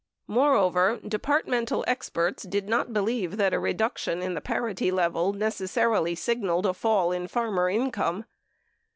Moreover, departmental experts did not believe that a reduction in the parity level necessarily signaled a fall in farmer income.